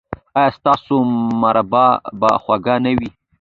ایا ستاسو مربا به خوږه نه وي؟